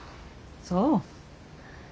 そう。